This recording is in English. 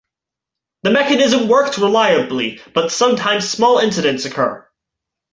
The mechanism works reliably, but sometimes small incidents occur.